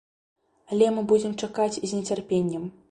Але мы будзем чакаць з нецярпеннем.